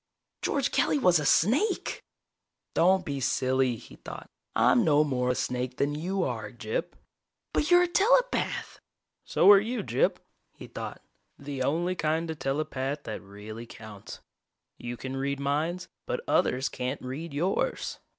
George Kelly was a snake! Don't be silly, he thought. I'm no more a snake than you are, Gyp. But you're a telepath! So are you, Gyp, he thought. _The only kind of telepath that really counts. You can read minds, but others can't read yours.